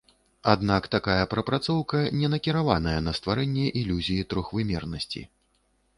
Аднак такая прапрацоўка не накіраваная на стварэнне ілюзіі трохвымернасці.